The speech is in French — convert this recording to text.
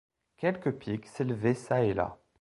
Quelques pics s’élevaient çà et là.